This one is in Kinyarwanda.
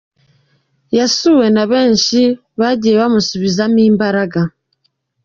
Yasuwe na benshi bagiye bamusubizamo imbaraga.